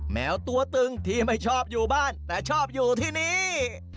แมวตัวตึงที่ไม่ชอบอยู่บ้านแต่ชอบอยู่ที่นี้